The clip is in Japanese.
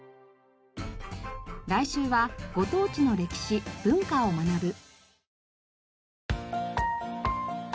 来週はご当地の歴史・文化を学ぶ。